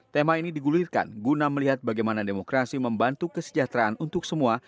tema ini digulirkan guna melihat bagaimana demokrasi membantu kesejahteraan untuk semua